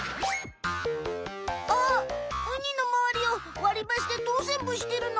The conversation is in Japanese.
あっウニのまわりをわりばしでとおせんぼしてるの？